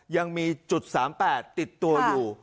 ยังมีจุด๓๘ติดตัวอยู่